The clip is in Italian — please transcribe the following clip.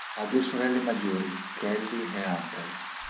Ha due sorelle maggiori, Kelly e Hunter.